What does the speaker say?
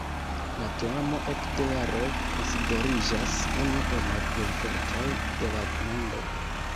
La teamo ekde jaroj konsideriĝas unu el la plej fortaj de la mondo.